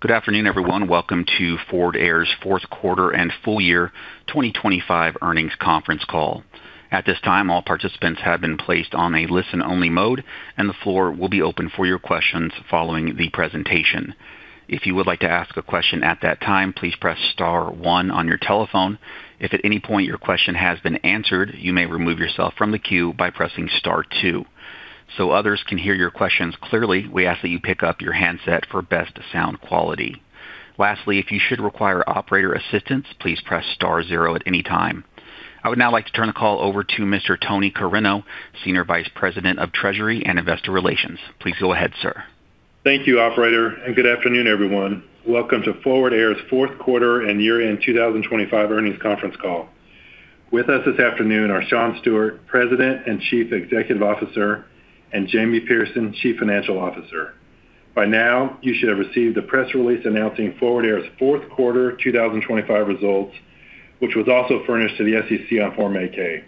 Good afternoon, everyone. Welcome to Forward Air's fourth quarter and full year 2025 earnings conference call. At this time, all participants have been placed on a listen-only mode, and the floor will be open for your questions following the presentation. If you would like to ask a question at that time, please press star one on your telephone. If at any point your question has been answered, you may remove yourself from the queue by pressing star two. Others can hear your questions clearly, we ask that you pick up your handset for best sound quality. Lastly, if you should require operator assistance, please press star zero at any time. I would now like to turn the call over to Mr. Tony Carreño, Senior Vice President of Treasury and Investor Relations. Please go ahead, sir. Thank you, operator. Good afternoon, everyone. Welcome to Forward Air's fourth quarter and year-end 2025 earnings conference call. With us this afternoon are Shawn Stewart, President and Chief Executive Officer, and Jamie Pierson, Chief Financial Officer. By now, you should have received the press release announcing Forward Air's fourth quarter 2025 results, which was also furnished to the SEC on Form 8-K.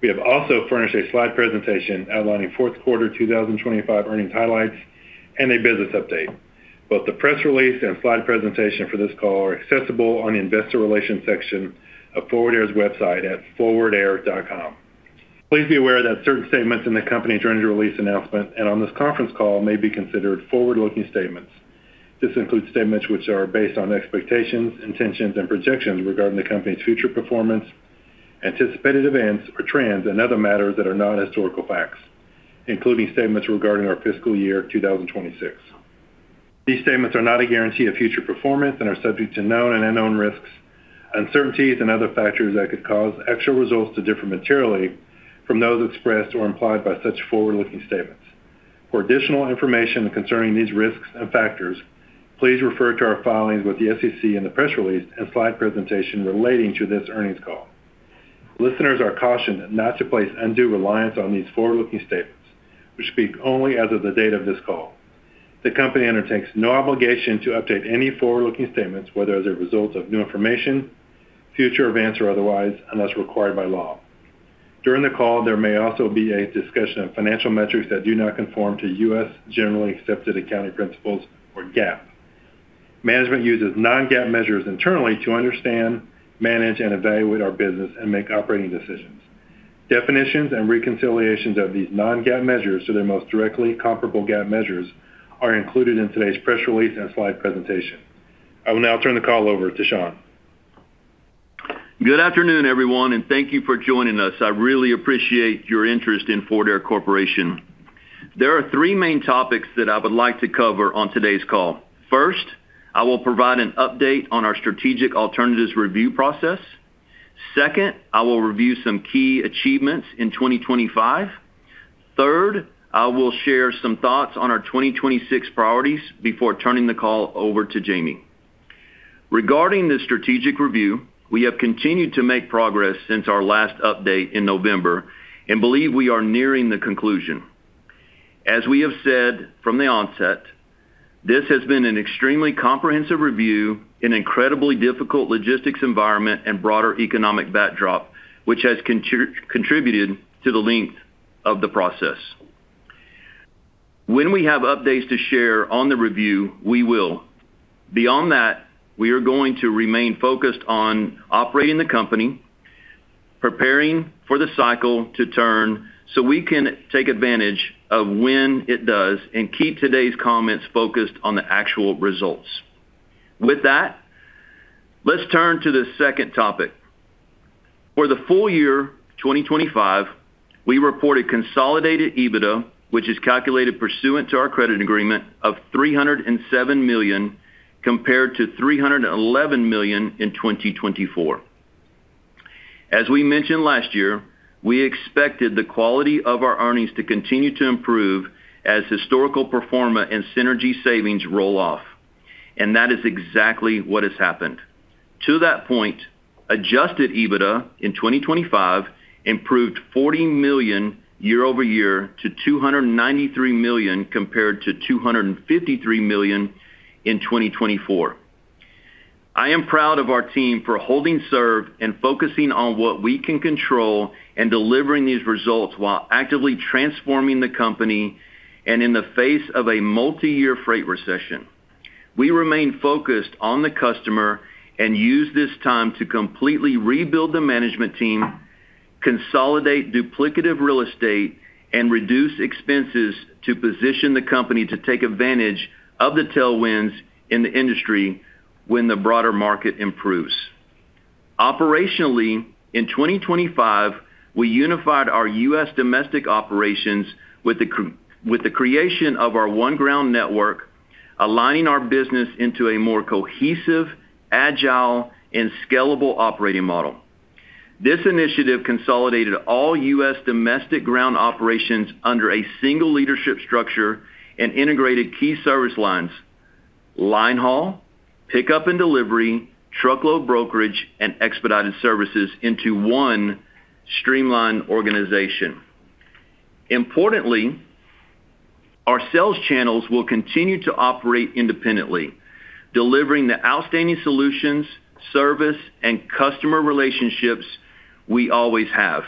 We have also furnished a slide presentation outlining fourth quarter 2025 earnings highlights and a business update. Both the press release and slide presentation for this call are accessible on the investor relations section of Forward Air's website at forwardair.com. Please be aware that certain statements in the company's earnings release announcement and on this conference call may be considered forward-looking statements. This includes statements which are based on expectations, intentions, and projections regarding the company's future performance, anticipated events or trends, and other matters that are not historical facts, including statements regarding our fiscal year 2026. These statements are not a guarantee of future performance and are subject to known and unknown risks, uncertainties, and other factors that could cause actual results to differ materially from those expressed or implied by such forward-looking statements. For additional information concerning these risks and factors, please refer to our filings with the SEC and the press release and slide presentation relating to this earnings call. Listeners are cautioned not to place undue reliance on these forward-looking statements, which speak only as of the date of this call. The company undertakes no obligation to update any forward-looking statements, whether as a result of new information, future events, or otherwise, unless required by law. During the call, there may also be a discussion of financial metrics that do not conform to U.S. Generally Accepted Accounting Principles or GAAP. Management uses non-GAAP measures internally to understand, manage, and evaluate our business and make operating decisions. Definitions and reconciliations of these non-GAAP measures to their most directly comparable GAAP measures are included in today's press release and slide presentation. I will now turn the call over to Shawn. Good afternoon, everyone, and thank you for joining us. I really appreciate your interest in Forward Air Corporation. There are three main topics that I would like to cover on today's call. First, I will provide an update on our strategic alternatives review process. Second, I will review some key achievements in 2025. Third, I will share some thoughts on our 2026 priorities before turning the call over to Jamie. Regarding the strategic review, we have continued to make progress since our last update in November and believe we are nearing the conclusion. As we have said from the onset, this has been an extremely comprehensive review, an incredibly difficult logistics environment and broader economic backdrop, which has contributed to the length of the process. When we have updates to share on the review, we will. Beyond that, we are going to remain focused on operating the company, preparing for the cycle to turn, so we can take advantage of when it does and keep today's comments focused on the actual results. With that, let's turn to the second topic. For the full year 2025, we reported consolidated EBITDA, which is calculated pursuant to our credit agreement of $307 million, compared to $311 million in 2024. As we mentioned last year, we expected the quality of our earnings to continue to improve as historical pro forma and synergy savings roll off. That is exactly what has happened. To that point, adjusted EBITDA in 2025 improved $40 million year-over-year to $293 million, compared to $253 million in 2024. I am proud of our team for holding serve and focusing on what we can control and delivering these results while actively transforming the company and in the face of a multi-year freight recession. We remain focused on the customer and use this time to completely rebuild the management team, consolidate duplicative real estate, and reduce expenses to position the company to take advantage of the tailwinds in the industry when the broader market improves. Operationally, in 2025, we unified our U.S. domestic operations with the creation of our One Ground Network, aligning our business into a more cohesive, agile, and scalable operating model. This initiative consolidated all U.S. domestic ground operations under a single leadership structure and integrated key service lines: linehaul, pickup and delivery, truckload brokerage, and Expedited services into one streamlined organization. Importantly, our sales channels will continue to operate independently, delivering the outstanding solutions, service, and customer relationships we always have.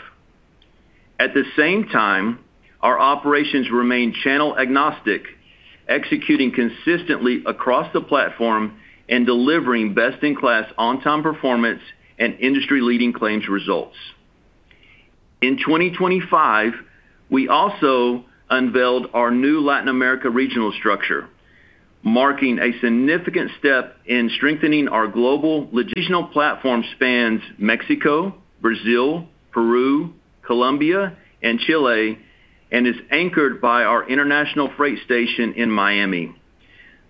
At the same time, our operations remain channel agnostic, executing consistently across the platform and delivering best-in-class on-time performance and industry-leading claims results. In 2025, we also unveiled our new Latin America regional structure, marking a significant step in strengthening our global logistical platform spans Mexico, Brazil, Peru, Colombia, and Chile, and is anchored by our international freight station in Miami.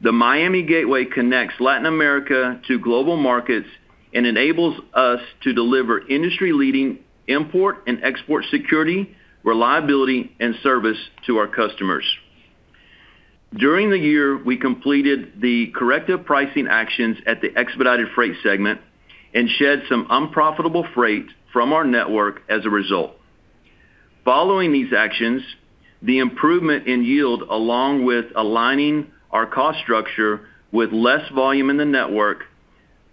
The Miami gateway connects Latin America to global markets and enables us to deliver industry-leading import and export security, reliability, and service to our customers. During the year, we completed the corrective pricing actions at the Expedited Freight segment and shed some unprofitable freight from our network as a result. Following these actions, the improvement in yield, along with aligning our cost structure with less volume in the network,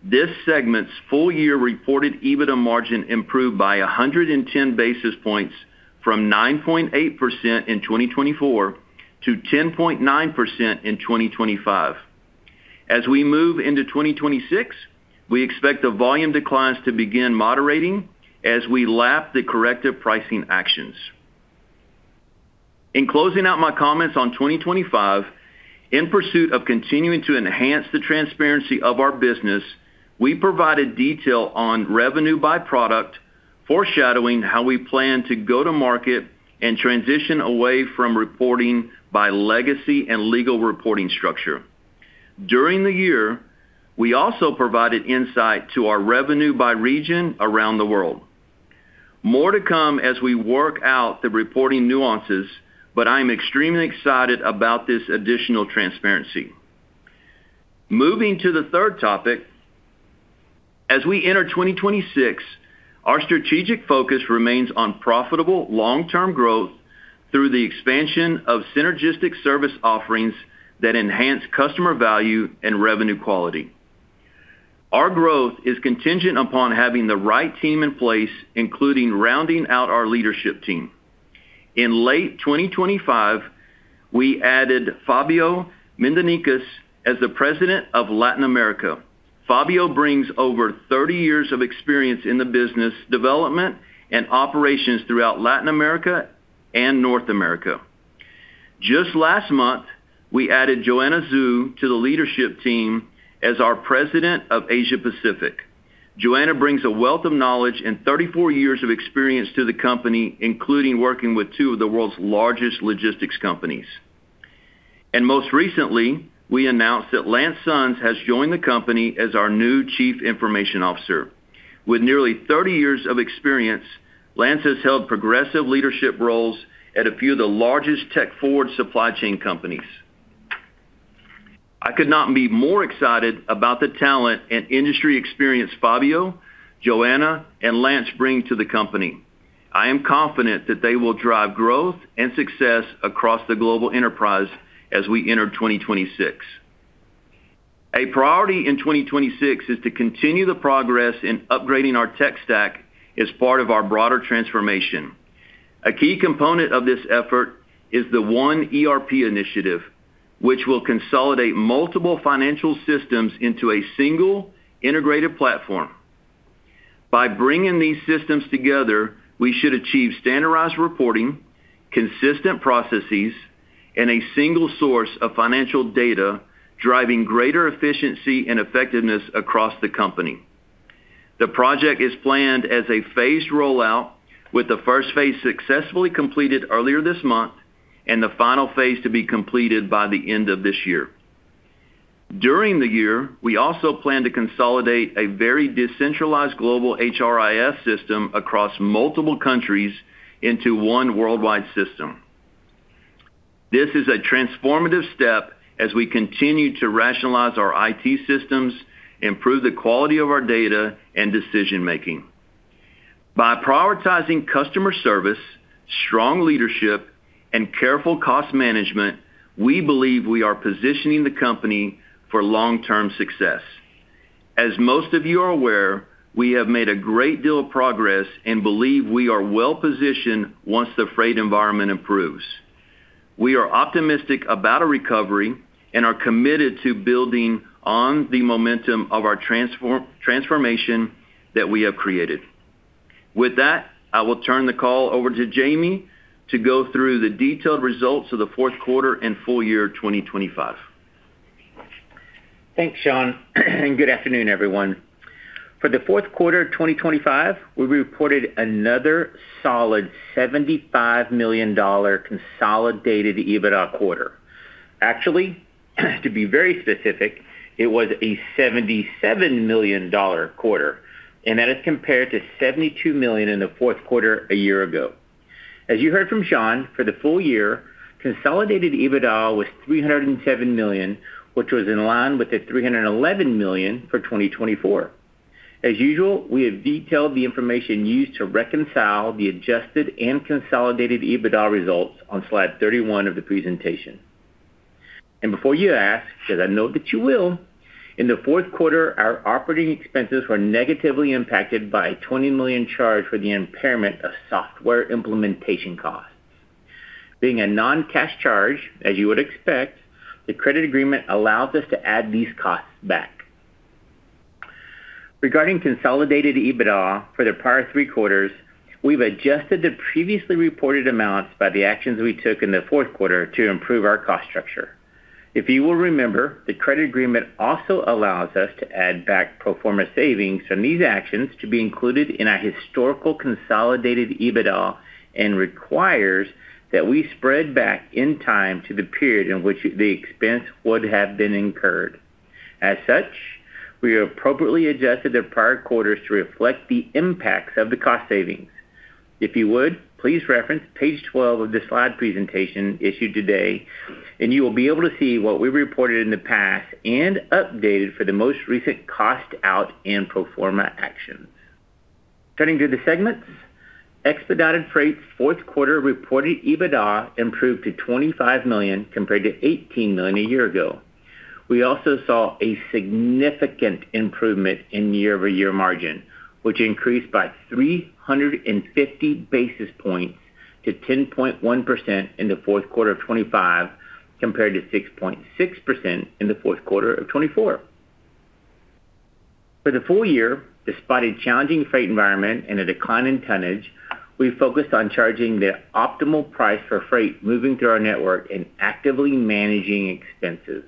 this segment's full year reported EBITDA margin improved by 110 basis points from 9.8% in 2024 to 10.9% in 2025. As we move into 2026, we expect the volume declines to begin moderating as we lap the corrective pricing actions. In closing out my comments on 2025, in pursuit of continuing to enhance the transparency of our business, we provided detail on revenue by product, foreshadowing how we plan to go to market and transition away from reporting by legacy and legal reporting structure. During the year, we also provided insight to our revenue by region around the world. More to come as we work out the reporting nuances, I'm extremely excited about this additional transparency. Moving to the third topic, as we enter 2026, our strategic focus remains on profitable long-term growth through the expansion of synergistic service offerings that enhance customer value and revenue quality. Our growth is contingent upon having the right team in place, including rounding out our leadership team. In late 2025, we added Fabio Mendonça as the President of Latin America. Fabio brings over 30 years of experience in the business development and operations throughout Latin America and North America. Just last month, we added Joanna Zhu to the leadership team as our President of Asia Pacific. Joanna brings a wealth of knowledge and 34 years of experience to the company, including working with two of the world's largest logistics companies. Most recently, we announced that Lance Sons has joined the company as our new Chief Information Officer. With nearly 30 years of experience, Lance has held progressive leadership roles at a few of the largest tech-forward supply chain companies. I could not be more excited about the talent and industry experience Fabio Mendonça, Joanna, and Lance bring to the company. I am confident that they will drive growth and success across the global enterprise as we enter 2026. A priority in 2026 is to continue the progress in upgrading our tech stack as part of our broader transformation. A key component of this effort is the One ERP initiative, which will consolidate multiple financial systems into a single integrated platform. By bringing these systems together, we should achieve standardized reporting, consistent processes, and a single source of financial data, driving greater efficiency and effectiveness across the company. The project is planned as a phased rollout, with the first phase successfully completed earlier this month and the final phase to be completed by the end of this year. During the year, we also plan to consolidate a very decentralized global HRIS system across multiple countries into one worldwide system. This is a transformative step as we continue to rationalize our IT systems, improve the quality of our data, and decision-making. By prioritizing customer service, strong leadership, and careful cost management, we believe we are positioning the company for long-term success. As most of you are aware, we have made a great deal of progress and believe we are well-positioned once the freight environment improves. We are optimistic about a recovery and are committed to building on the momentum of our transformation that we have created. With that, I will turn the call over to Jamie to go through the detailed results of the fourth quarter and full year 2025. Thanks, Shawn. Good afternoon, everyone. For the fourth quarter of 2025, we reported another solid $75 million consolidated EBITDA quarter. Actually, to be very specific, it was a $77 million quarter, that is compared to $72 million in the fourth quarter a year ago. As you heard from Shawn, for the full year, consolidated EBITDA was $307 million, which was in line with the $311 million for 2024. As usual, we have detailed the information used to reconcile the adjusted and consolidated EBITDA results on slide 31 of the presentation. Before you ask, because I know that you will, in the fourth quarter, our operating expenses were negatively impacted by $20 million charge for the impairment of software implementation costs. Being a non-cash charge, as you would expect, the credit agreement allows us to add these costs back. Regarding consolidated EBITDA for the prior three quarters, we've adjusted the previously reported amounts by the actions we took in the fourth quarter to improve our cost structure. If you will remember, the credit agreement also allows us to add back pro forma savings from these actions to be included in our historical consolidated EBITDA, and requires that we spread back in time to the period in which the expense would have been incurred. As such, we have appropriately adjusted the prior quarters to reflect the impacts of the cost savings. If you would, please reference page 12 of the slide presentation issued today, and you will be able to see what we reported in the past and updated for the most recent cost out and pro forma actions. Turning to the segments, Expedited Freight's fourth quarter reported EBITDA improved to $25 million, compared to $18 million a year ago. We also saw a significant improvement in year-over-year margin, which increased by 350 basis points to 10.1% in the fourth quarter of 2025, compared to 6.6% in the fourth quarter of 2024. For the full year, despite a challenging freight environment and a decline in tonnage, we focused on charging the optimal price for freight, moving through our network and actively managing expenses.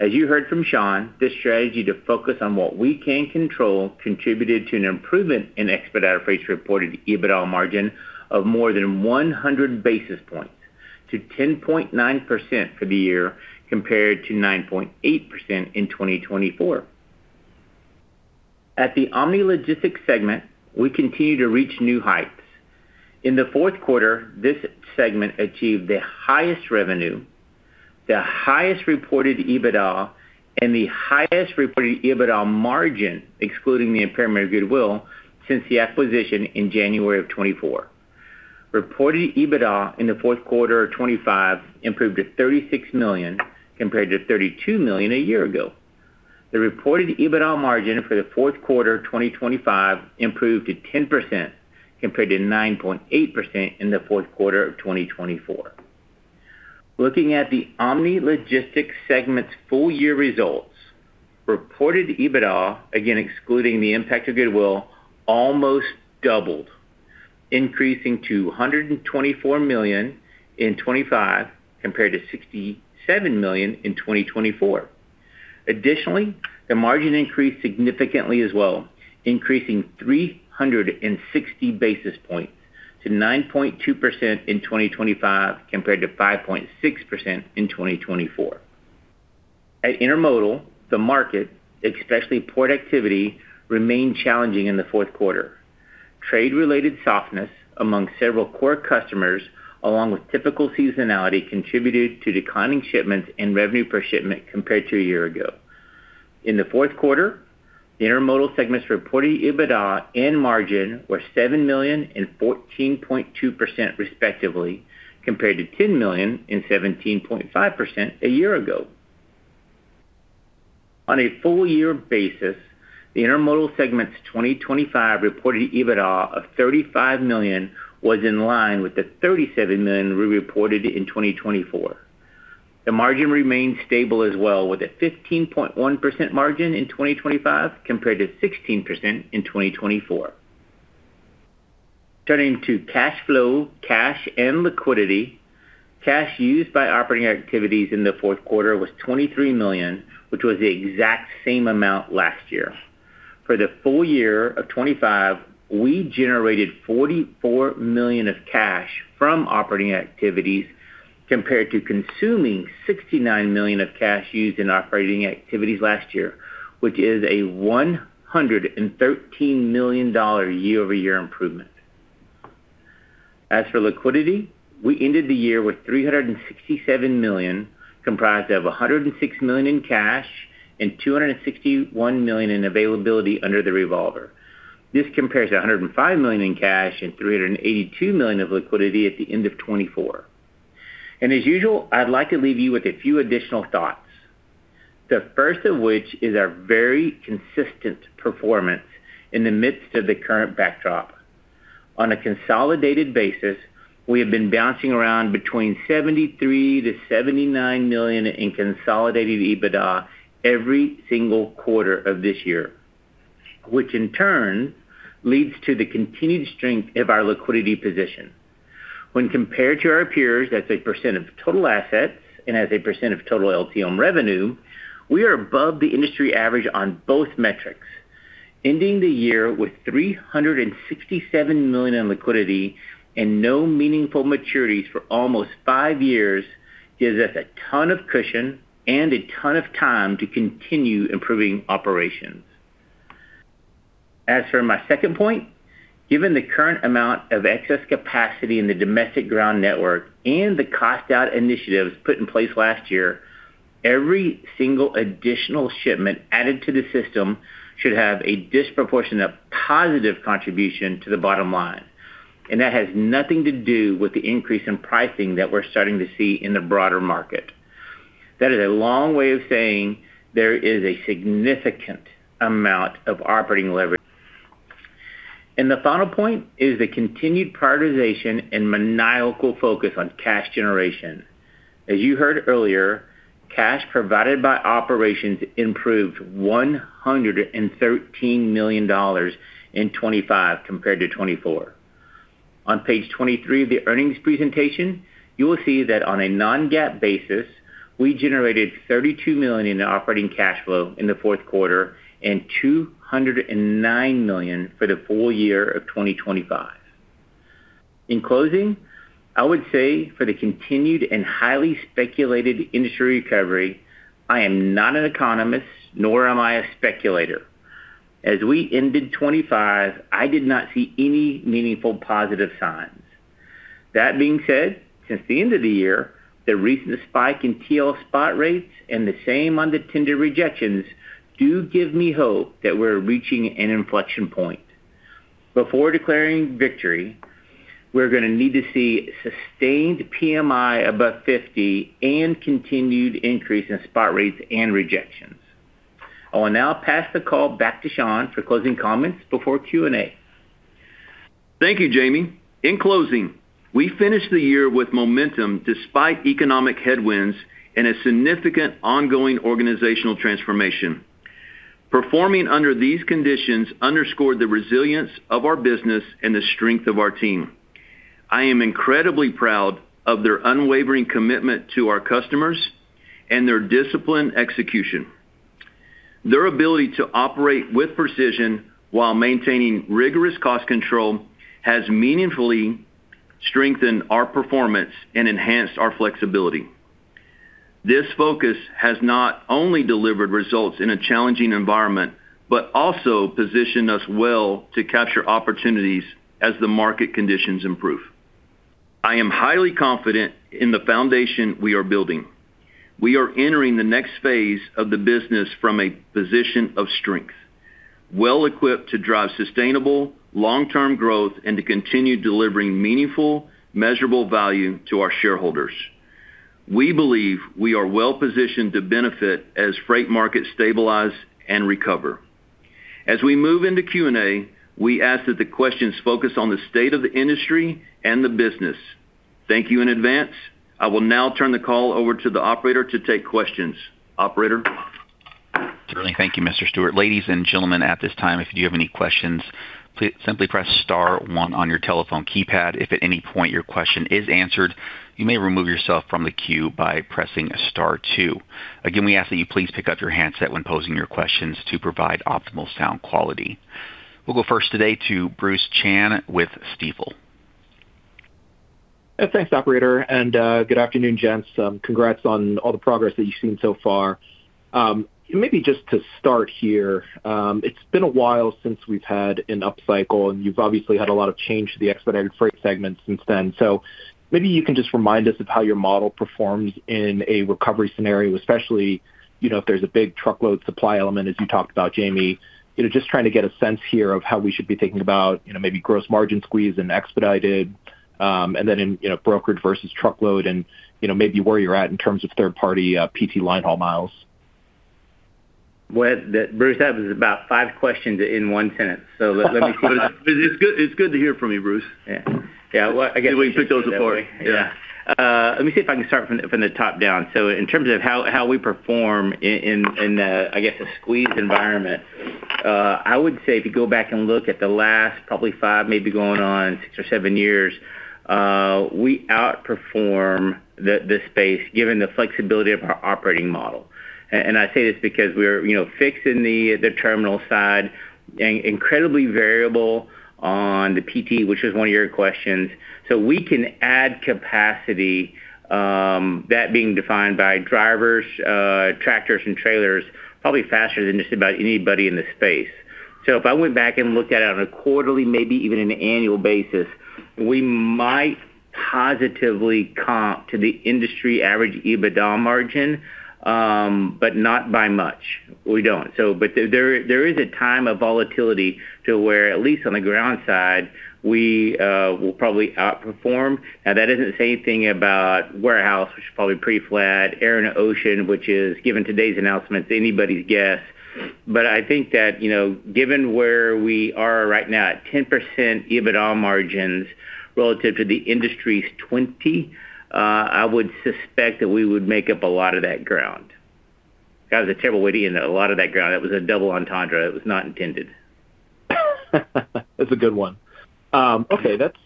As you heard from Shawn, this strategy to focus on what we can control, contributed to an improvement in Expedited Freight's reported EBITDA margin of more than 100 basis points, to 10.9% for the year, compared to 9.8% in 2024. At the Omni Logistics segment, we continue to reach new heights. In the fourth quarter, this segment achieved the highest revenue, the highest reported EBITDA, and the highest reported EBITDA margin, excluding the impairment of goodwill, since the acquisition in January of 2024. Reported EBITDA in the fourth quarter of 2025 improved to $36 million, compared to $32 million a year ago. The reported EBITDA margin for the fourth quarter of 2025 improved to 10%, compared to 9.8% in the fourth quarter of 2024. Looking at the Omni Logistics segment's full year results, reported EBITDA, again, excluding the impact of goodwill, almost doubled, increasing to $124 million in 2025, compared to $67 million in 2024. Additionally, the margin increased significantly as well, increasing 360 basis points to 9.2% in 2025, compared to 5.6% in 2024. At Intermodal, the market, especially port activity, remained challenging in the fourth quarter. Trade-related softness among several core customers, along with typical seasonality, contributed to declining shipments and revenue per shipment compared to a year ago. In the fourth quarter, the Intermodal segment's reported EBITDA and margin were $7 million and 14.2%, respectively, compared to $10 million and 17.5% a year ago. On a full year basis, the Intermodal segment's 2025 reported EBITDA of $35 million, was in line with the $37 million we reported in 2024. The margin remained stable as well, with a 15.1% margin in 2025, compared to 16% in 2024. Turning to cash flow, cash and liquidity. Cash used by operating activities in the 4th quarter was $23 million, which was the exact same amount last year. For the full year of 2025, we generated $44 million of cash from operating activities, compared to consuming $69 million of cash used in operating activities last year, which is a $113 million year-over-year improvement. As for liquidity, we ended the year with $367 million, comprised of $106 million in cash and $261 million in availability under the revolver. This compares to $105 million in cash and $382 million of liquidity at the end of 2024. As usual, I'd like to leave you with a few additional thoughts. The first of which is our very consistent performance in the midst of the current backdrop. On a consolidated basis, we have been bouncing around between $73 million-$79 million in consolidated EBITDA every single quarter of this year, which in turn leads to the continued strength of our liquidity position. When compared to our peers, as a percent of total assets and as a percent of total LTL revenue, we are above the industry average on both metrics, ending the year with $367 million in liquidity and no meaningful maturities for almost five years, gives us a ton of cushion and a ton of time to continue improving operations. As for my second point, given the current amount of excess capacity in the domestic ground network and the cost out initiatives put in place last year, every single additional shipment added to the system should have a disproportionate positive contribution to the bottom line. That has nothing to do with the increase in pricing that we're starting to see in the broader market. That is a long way of saying there is a significant amount of operating leverage. The final point is the continued prioritization and maniacal focus on cash generation. As you heard earlier, cash provided by operations improved $113 million in 2025 compared to 2024. On page 23 of the earnings presentation, you will see that on a non-GAAP basis, we generated $32 million in operating cash flow in the fourth quarter and $209 million for the full year of 2025. In closing, I would say for the continued and highly speculated industry recovery, I am not an economist, nor am I a speculator. As we ended 2025, I did not see any meaningful positive signs. That being said, since the end of the year, the recent spike in TL spot rates and the same tender rejections do give me hope that we're reaching an inflection point. Before declaring victory, we're going to need to see sustained PMI above 50 and continued increase in spot rates and rejections. I will now pass the call back to Shawn for closing comments before Q&A. Thank you, Jamie. In closing, we finished the year with momentum despite economic headwinds and a significant ongoing organizational transformation. Performing under these conditions underscored the resilience of our business and the strength of our team. I am incredibly proud of their unwavering commitment to our customers and their disciplined execution. Their ability to operate with precision while maintaining rigorous cost control, has meaningfully strengthened our performance and enhanced our flexibility. This focus has not only delivered results in a challenging environment, but also positioned us well to capture opportunities as the market conditions improve. I am highly confident in the foundation we are building. We are entering the next phase of the business from a position of strength, well equipped to drive sustainable long-term growth and to continue delivering meaningful, measurable value to our shareholders. We believe we are well positioned to benefit as freight markets stabilize and recover. As we move into Q&A, we ask that the questions focus on the state of the industry and the business. Thank you in advance. I will now turn the call over to the operator to take questions. Operator? Certainly. Thank you, Mr. Stewart. Ladies and gentlemen, at this time, if you have any questions, please simply press star one on your telephone keypad. If at any point your question is answered, you may remove yourself from the queue by pressing star two. Again, we ask that you please pick up your handset when posing your questions to provide optimal sound quality. We'll go first today to Bruce Chan with Stifel. Thanks, operator, good afternoon, gents. Congrats on all the progress that you've seen so far. Maybe just to start here, it's been a while since we've had an upcycle, and you've obviously had a lot of change to the Expedited Freight segment since then. Maybe you can just remind us of how your model performs in a recovery scenario, especially, you know, if there's a big truckload supply element as you talked about, Jamie? You know, just trying to get a sense here of how we should be thinking about, you know, maybe gross margin squeeze and Expedited, and then in, you know, brokerage versus truckload and, you know, maybe where you're at in terms of third-party P&D linehaul miles? Well, Bruce, that was about five questions in one sentence. let me- It's good, it's good to hear from you, Bruce. Yeah. Yeah, well, I guess. We put those before you. Yeah. Let me see if I can start from, from the top down. In terms of how, how we perform in, in, I guess, a squeezed environment, I would say if you go back and look at the last probably five, maybe going on six or seven years, we outperform the, the space given the flexibility of our operating model. I say this because we're, you know, fixed in the, the terminal side and incredibly variable on the P&D, which is one of your questions. We can add capacity, that being defined by drivers, tractors and trailers, probably faster than just about anybody in the space. If I went back and looked at it on a quarterly, maybe even an annual basis, we might positively comp to the industry average EBITDA margin, but not by much. We don't. There, there is a time of volatility to where, at least on the ground side, we will probably outperform. That isn't the same thing about warehouse, which is probably pretty flat, air and ocean, which is, given today's announcements, anybody's guess. I think that, you know, given where we are right now at 10% EBITDA margins relative to the industry's 20, I would suspect that we would make up a lot of that ground. That was a terrible witty in a lot of that ground. It was a double entendre. It was not intended. That's a good one. Okay, that's,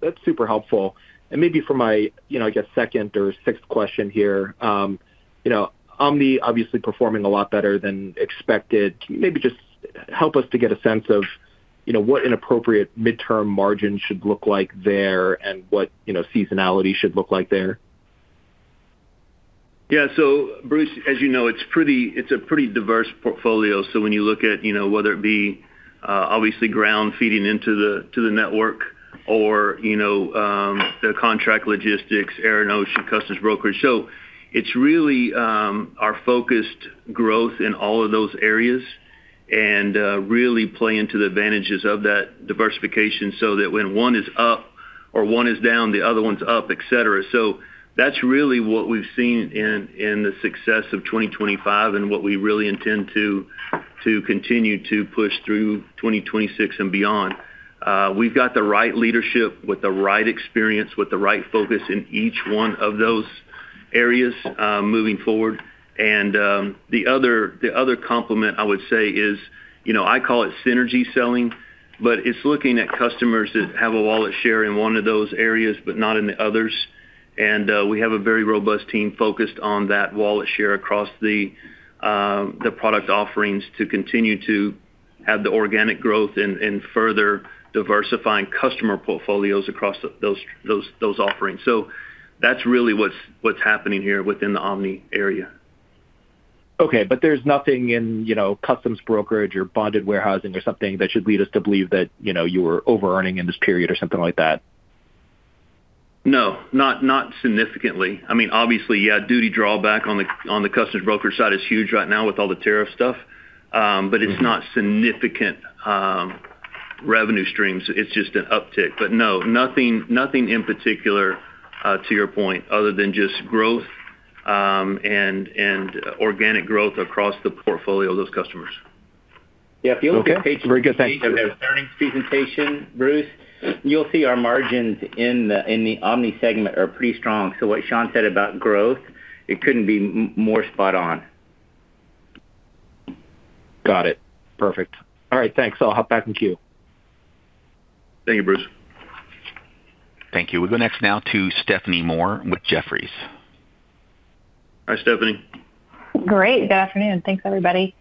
that's super helpful. Maybe for my, you know, I guess, second or sixth question here, you know, Omni obviously performing a lot better than expected. Maybe just help us to get a sense of, you know, what an appropriate midterm margin should look like there and what, you know, seasonality should look like there. Yeah. Bruce, as you know, it's a pretty diverse portfolio. When you look at, you know, whether it be, obviously ground feeding into the, to the network or, you know, the contract logistics, air and ocean, customs brokerage. It's really our focused growth in all of those areas and really play into the advantages of that diversification so that when one is up or one is down, the other one's up, et cetera. That's really what we've seen in, in the success of 2025 and what we really intend to, to continue to push through 2026 and beyond. We've got the right leadership with the right experience, with the right focus in each one of those areas, moving forward. The other, the other compliment I would say is, you know, I call it synergy selling, but it's looking at customers that have a wallet share in one of those areas, but not in the others. We have a very robust team focused on that wallet share across the product offerings to continue to have the organic growth and, and further diversifying customer portfolios across those, those, those offerings. That's really what's, what's happening here within the Omni area. Okay, there's nothing in, you know, customs brokerage or bonded warehousing or something that should lead us to believe that, you know, you were overearning in this period or something like that? No, not, not significantly. I mean, obviously, yeah, duty drawback on the, on the customs brokerage side is huge right now with all the tariff stuff. It's not significant revenue streams. It's just an uptick. No, nothing, nothing in particular to your point, other than just growth, and, and organic growth across the portfolio of those customers. Yeah, if you look... Okay. Very good. Thanks. Earnings presentation, Bruce, you'll see our margins in the Omni segment are pretty strong. What Shawn said about growth, it couldn't be more spot on. Got it. Perfect. All right, thanks. I'll hop back in queue. Thank you, Bruce. Thank you. We go next now to Stephanie Moore with Jefferies. Hi, Stephanie. Great. Good afternoon. Thanks, everybody.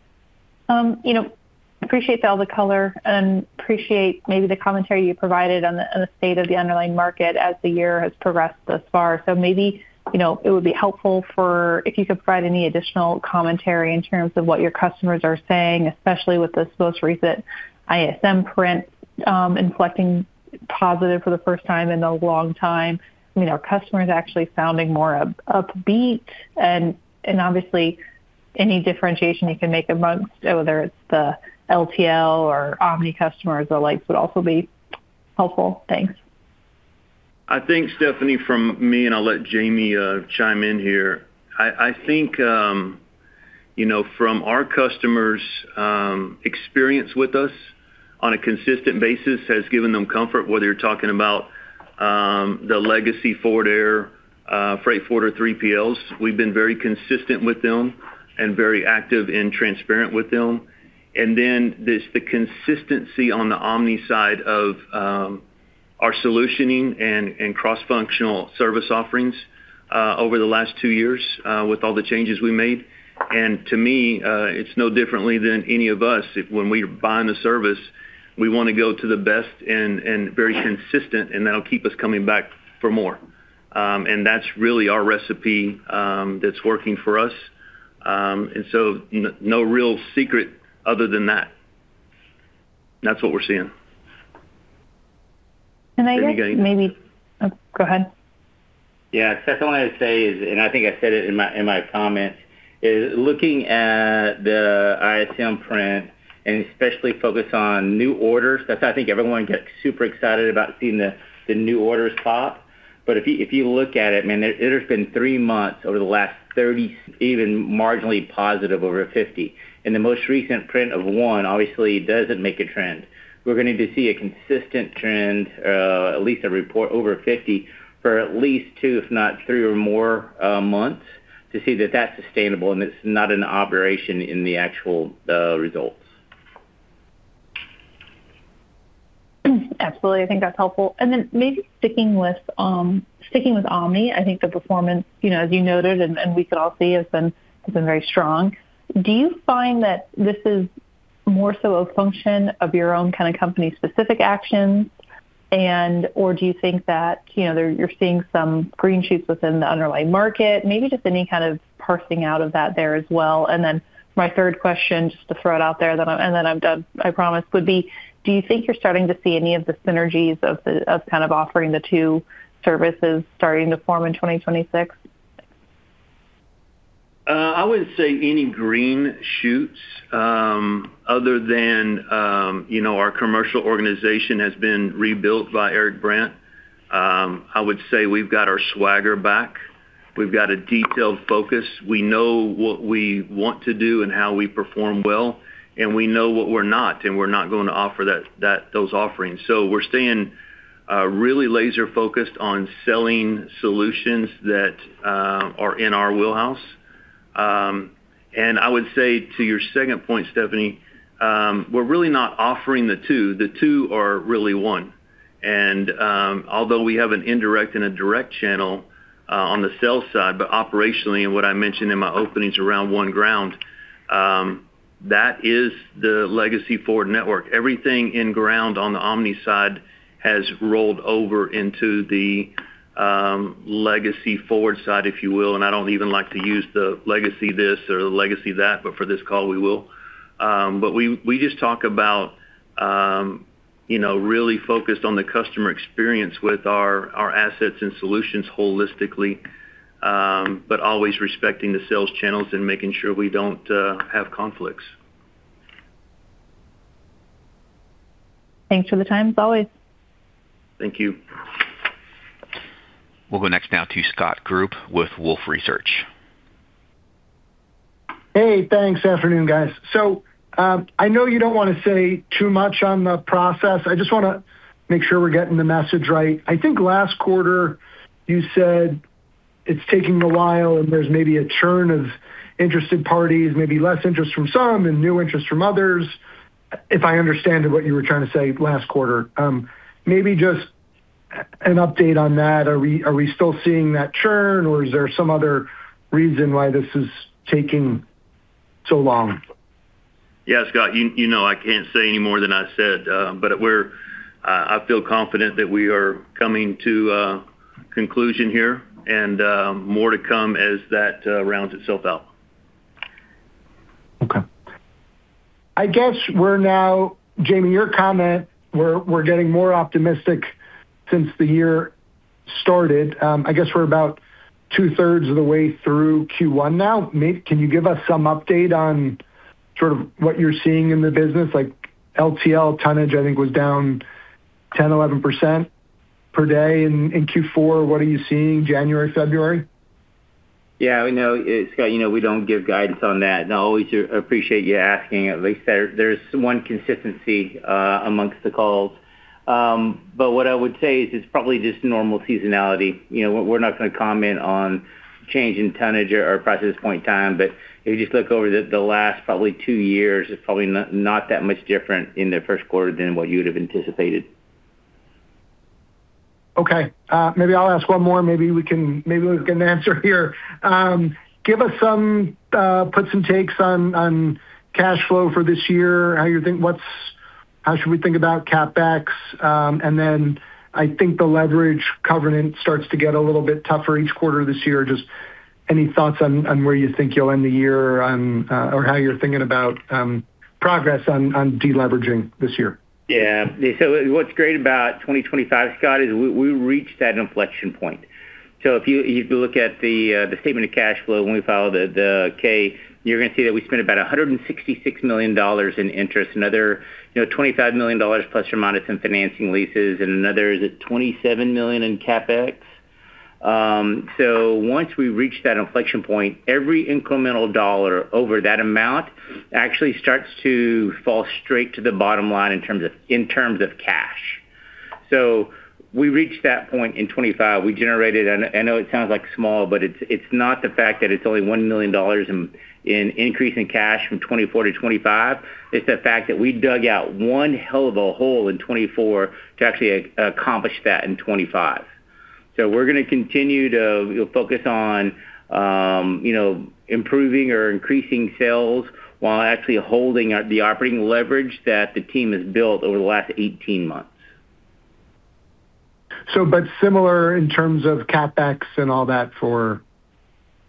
you know, appreciate all the color and appreciate maybe the commentary you provided on the, on the state of the underlying market as the year has progressed thus far. So maybe, you know, it would be helpful if you could provide any additional commentary in terms of what your customers are saying, especially with this most recent ISM print, inflecting positive for the first time in a long time. I mean, are customers actually sounding more up, upbeat? obviously, any differentiation you can make amongst, whether it's the LTL or Omni customers or the likes, would also be helpful. Thanks. I think, Stephanie, from me, and I'll let Jamie chime in here. I, I think, you know, from our customers, experience with us on a consistent basis has given them comfort, whether you're talking about, the legacy Forward Air, freight forward or 3PLs, we've been very consistent with them and very active and transparent with them. Then there's the consistency on the Omni side of, our solutioning and, and cross-functional service offerings, over the last 2 years, with all the changes we made. To me, it's no differently than any of us. If when we're buying a service, we want to go to the best and, and very consistent, and that'll keep us coming back for more. That's really our recipe, that's working for us. So no real secret other than that. That's what we're seeing. I guess maybe- Anything you got to add? Oh, go ahead. Yeah, what I would say is, and I think I said it in my, in my comments, is looking at the ISM print, and especially focus on new orders. I think everyone gets super excited about seeing the new orders pop. If you look at it, I mean, there's been three months over the last 30, even marginally positive over 50. The most recent print of one, obviously, doesn't make a trend. We're going to need to see a consistent trend, at least a report over 50 for at least two, if not three or more months, to see that that's sustainable and it's not an aberration in the actual results. Absolutely. I think that's helpful. Then maybe sticking with, sticking with Omni, I think the performance, you know, as you noted, and we could all see, has been, has been very strong. Do you find that this is more so a function of your own kind of company-specific actions? Or do you think that, you know, you're seeing some green shoots within the underlying market? Maybe just any kind of parsing out of that there as well. Then my third question, just to throw it out there, and then I'm done, I promise, would be, do you think you're starting to see any of the synergies of kind of offering the two services starting to form in 2026? I wouldn't say any green shoots, other than, you know, our commercial organization has been rebuilt by Eric Brandt. I would say we've got our swagger back. We've got a detailed focus. We know what we want to do and how we perform well, and we know what we're not, and we're not going to offer those offerings. We're staying really laser-focused on selling solutions that are in our wheelhouse. I would say to your second point, Stephanie, we're really not offering the two. The two are really one. Although we have an indirect and a direct channel, on the sales side, but operationally, and what I mentioned in my openings around One Ground Network, that is the legacy Forward Air network. Everything in ground on the Omni side has rolled over into the legacy Forward side, if you will, and I don't even like to use the legacy this or the legacy that, but for this call, we will. We, we just talk about, you know, really focused on the customer experience with our, our assets and solutions holistically. Always respecting the sales channels and making sure we don't have conflicts. Thanks for the time, as always. Thank you. We'll go next now to Scott Group with Wolfe Research. Hey, thanks. Afternoon, guys. I know you don't want to say too much on the process. I just want to make sure we're getting the message right. I think last quarter you said it's taking a while, and there's maybe a churn of interested parties, maybe less interest from some and new interest from others, if I understand what you were trying to say last quarter. Maybe just an update on that. Are we, are we still seeing that churn, or is there some other reason why this is taking so long? Yeah, Scott, you, you know, I can't say any more than I said, but we're, I feel confident that we are coming to a conclusion here, and more to come as that rounds itself out. Okay. I guess we're now, Jamie, your comment, we're, we're getting more optimistic since the year started. I guess we're about two-thirds of the way through Q1 now. Can you give us some update on sort of what you're seeing in the business? Like LTL tonnage, I think, was down 10%, 11% per day in, in Q4. What are you seeing, January, February? Yeah, I know. Scott, you know, we don't give guidance on that, and I always appreciate you asking. At least there, there's one consistency amongst the calls. What I would say is it's probably just normal seasonality. You know, we're, we're not going to comment on change in tonnage or prices at this point in time, but if you just look over the, the last probably two years, it's probably not, not that much different in the first quarter than what you would have anticipated. Okay. Maybe I'll ask one more, and maybe we can, maybe we can answer here. Give us some, put some takes on, on cash flow for this year. What's, how should we think about CapEx? I think the leverage covenant starts to get a little bit tougher each quarter this year. Just any thoughts on, on where you think you'll end the year on, or how you're thinking about, progress on, on deleveraging this year? Yeah. What's great about 2025, Scott, is we, we reached that inflection point. If you, if you look at the statement of cash flow when we file the K, you're going to see that we spent about $166 million in interest, another, you know, ±$25 million in financing leases, and another, is it $27 million in CapEx? Once we reach that inflection point, every incremental dollar over that amount actually starts to fall straight to the bottom line in terms of, in terms of cash. We reached that point in 25. We generated, and I know it sounds like small, but it's, it's not the fact that it's only $1 million in, in increase in cash from 2024 to 2025. It's the fact that we dug out one hell of a hole in 2024 to actually accomplish that in 2025. We're going to continue to focus on, you know, improving or increasing sales while actually holding the operating leverage that the team has built over the last 18 months. But similar in terms of CapEx and all that for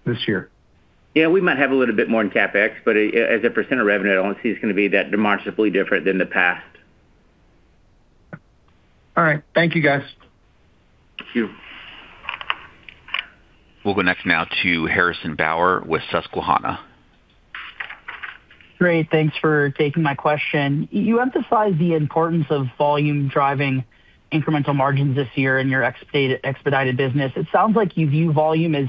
this year? Yeah, we might have a little bit more in CapEx, but as a percent of revenue, I don't see it's going to be that demonstrably different than the past. All right. Thank you, guys. Thank you. We'll go next now to Harrison Bauer with Susquehanna. Great. Thanks for taking my question. You emphasize the importance of volume driving incremental margins this year in your Expedited business. It sounds like you view volume as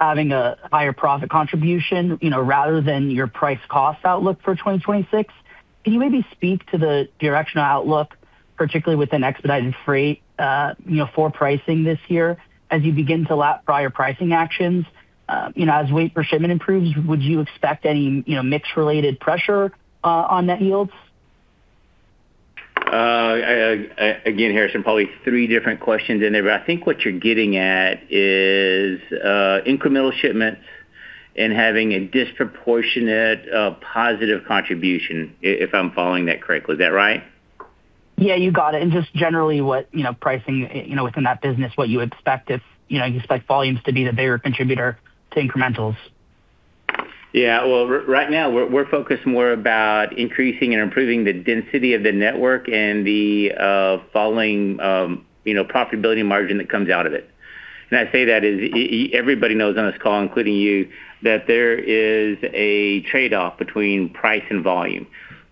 having a higher profit contribution, you know, rather than your price cost outlook for 2026. Can you maybe speak to the directional outlook, particularly within Expedited Freight, you know, for pricing this year as you begin to lap prior pricing actions? You know, as weight per shipment improves, would you expect any, you know, mix-related pressure, on net yields? Again, Harrison, probably three different questions in there, but I think what you're getting at is, incremental shipments and having a disproportionate, positive contribution, if I'm following that correctly. Is that right? Yeah, you got it. Just generally, what, you know, pricing, you know, within that business, what you expect if, you know, you expect volumes to be the bigger contributor to incrementals? Yeah. Well, right now, we're, we're focused more about increasing and improving the density of the network and the, you know, profitability margin that comes out of it. I say that as everybody knows on this call, including you, that there is a trade-off between price and volume.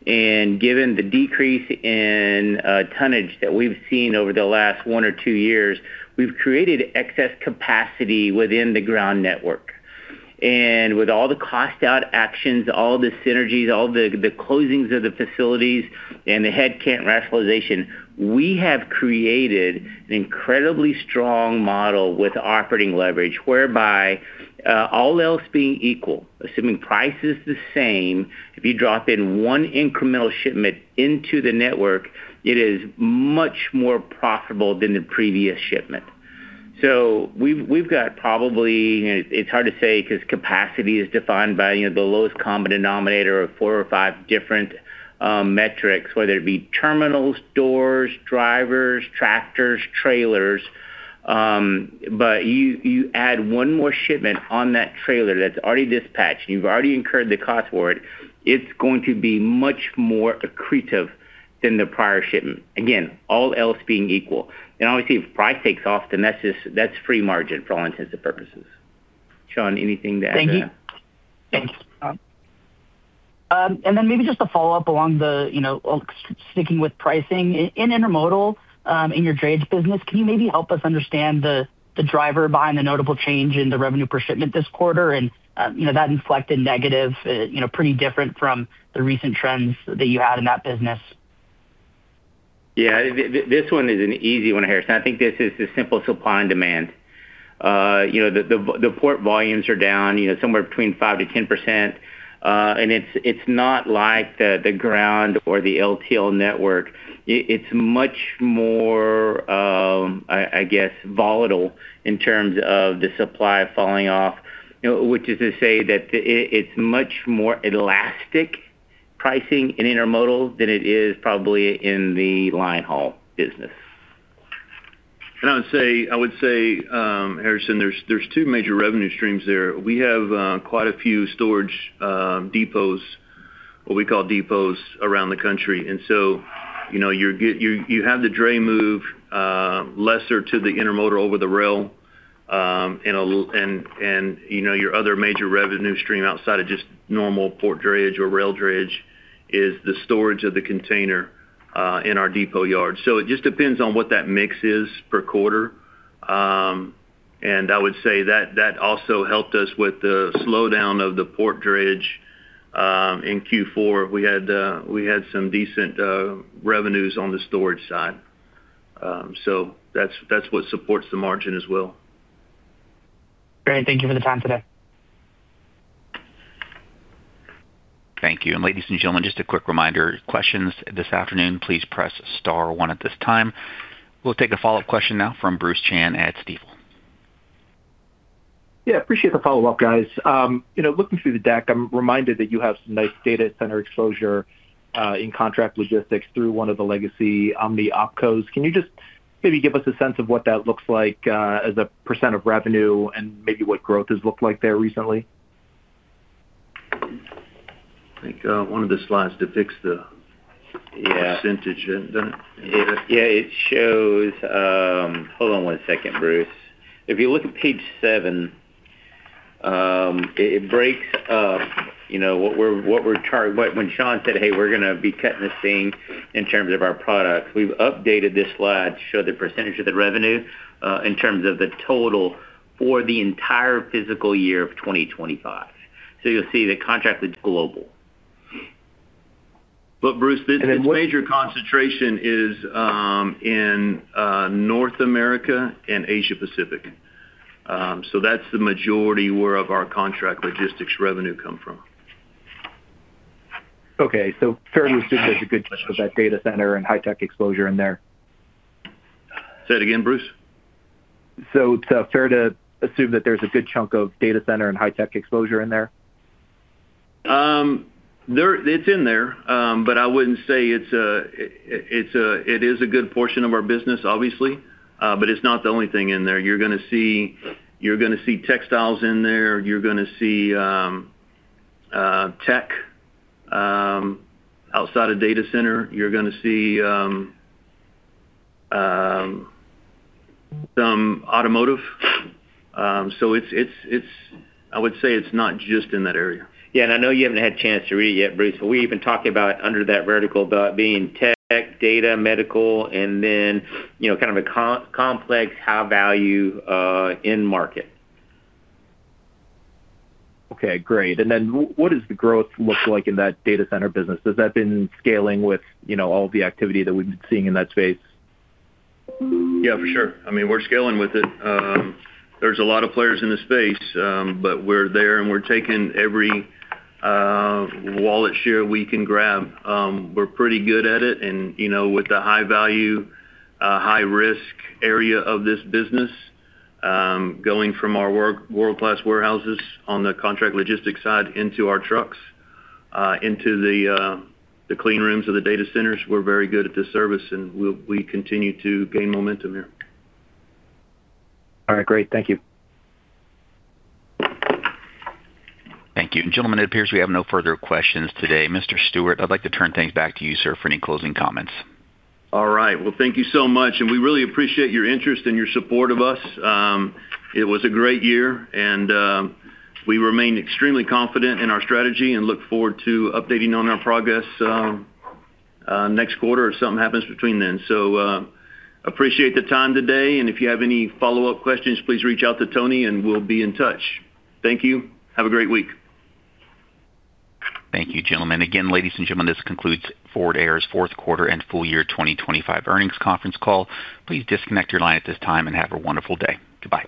Given the decrease in tonnage that we've seen over the last one or two years, we've created excess capacity within the ground network. With all the cost out actions, all the synergies, all the, the closings of the facilities, and the headcount rationalization, we have created an incredibly strong model with operating leverage, whereby, all else being equal, assuming price is the same, if you drop in one incremental shipment into the network, it is much more profitable than the previous shipment. We've, we've got probably, it's hard to say, because capacity is defined by, you know, the lowest common denominator of 4 or 5 different metrics, whether it be terminals, doors, drivers, tractors, trailers, but you, you add 1 more shipment on that trailer that's already dispatched, you've already incurred the cost for it, it's going to be much more accretive than the prior shipment. Again, all else being equal. Obviously, if price takes off, then that's just, that's free margin for all intents and purposes. Shawn, anything to add to that? Thank you. Thanks. Then maybe just a follow-up along the, you know, sticking with pricing. In Intermodal, in your drayage business, can you maybe help us understand the driver behind the notable change in the revenue per shipment this quarter? That, you know, inflected negative, you know, pretty different from the recent trends that you had in that business. Yeah, this one is an easy one, Harrison. I think this is the simple supply and demand. you know, the, the, the port volumes are down, you know, somewhere between 5%-10%. It's, it's not like the, the ground or the LTL network. It, it's much more, I, I guess, volatile in terms of the supply falling off. You know, which is to say that it's much more elastic pricing in Intermodal than it is probably in the linehaul business. I would say, I would say, Harrison, there's, there's two major revenue streams there. We have quite a few storage depots, what we call depots, around the country, and so, you know, you, you have the dray move, lesser to the Intermodal over the rail, and and, you know, your other major revenue stream outside of just normal port drayage or rail drayage is the storage of the container in our depot yard. It just depends on what that mix is per quarter. I would say that, that also helped us with the slowdown of the port drayage in Q4. We had we had some decent revenues on the storage side. That's, that's what supports the margin as well. Great, thank you for the time today. Thank you. Ladies and gentlemen, just a quick reminder, questions this afternoon, please press star one at this time. We'll take a follow-up question now from Bruce Chan at Stifel. Yeah, appreciate the follow-up, guys. You know, looking through the deck, I'm reminded that you have some nice data center exposure in contract logistics through one of the legacy Omni OpCos. Can you just maybe give us a sense of what that looks like as a % of revenue and maybe what growth has looked like there recently? I think, one of the slides depicts. Yeah... percentage, doesn't it? Yeah. Yeah, it shows, Hold on one second, Bruce Chan. If you look at page seven, it, it breaks up, you know, what we're, what we're cutting this thing in terms of our products. When Shawn Stewart said, "Hey, we're going to be cutting this thing in terms of our products." We've updated this slide to show the percent of the revenue, in terms of the total for the entire physical year of 2025. You'll see the contract is global. Bruce, this major concentration is in North America and Asia Pacific. That's the majority where of our contract logistics revenue come from. Okay. Fair to assume there's a good chunk of that data center and high tech exposure in there? Say it again, Bruce. It's fair to assume that there's a good chunk of data center and high tech exposure in there? There, it's in there. I wouldn't say it is a good portion of our business, obviously, but it's not the only thing in there. You're gonna see, you're gonna see textiles in there. You're gonna see, tech, outside of data center. You're gonna see, some automotive. I would say it's not just in that area. Yeah, I know you haven't had a chance to read it yet, Bruce, but we've been talking about under that vertical about being tech, data, medical, and then, you know, kind of a co-complex, high value, in market. Okay, great. What does the growth look like in that data center business? Has that been scaling with, you know, all the activity that we've been seeing in that space? Yeah, for sure. I mean, we're scaling with it. There's a lot of players in the space, but we're there, and we're taking every wallet share we can grab. We're pretty good at it, and, you know, with the high value, high risk area of this business, going from our world-class warehouses on the contract logistics side into our trucks, into the clean rooms of the data centers, we're very good at this service, and we continue to gain momentum there. All right, great. Thank you. Thank you. Gentlemen, it appears we have no further questions today. Mr. Stewart, I'd like to turn things back to you, sir, for any closing comments. All right. Well, thank you so much, and we really appreciate your interest and your support of us. It was a great year, and we remain extremely confident in our strategy and look forward to updating you on our progress next quarter, if something happens between then. Appreciate the time today, and if you have any follow-up questions, please reach out to Tony, and we'll be in touch. Thank you. Have a great week. Thank you, gentlemen. Again, ladies and gentlemen, this concludes Forward Air's fourth quarter and full year 2025 earnings conference call. Please disconnect your line at this time and have a wonderful day. Goodbye.